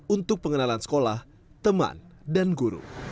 untuk pengenalan sekolah teman dan guru